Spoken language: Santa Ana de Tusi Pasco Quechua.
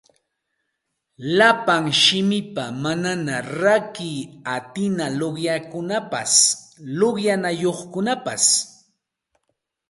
Llapa simipa manaña rakiy atina luqyanakunapas luqyanayuqkunapas